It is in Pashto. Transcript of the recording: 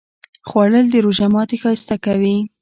خوړل د روژه ماتی ښایسته کوي